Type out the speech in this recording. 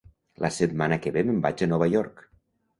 La setmana que ve me'n vaig a Nova York.